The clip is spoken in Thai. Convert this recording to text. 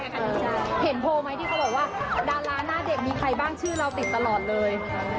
เห็นโทรศัพท์มั้ยที่เค้าบอกว่าดาร้านน่าเด็กมีใครบ้างชื่อเราติดตลอดเลย